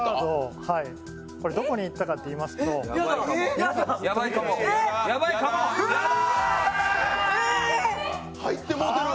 どこにいったかといいますと入ってもうてる。